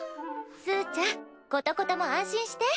すうちゃんコトコトも安心して。